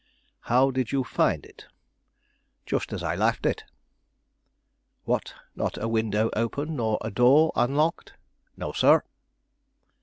"How did you find it?" "Just as I left it." "What, not a window open nor a door unlocked?" "No, sir."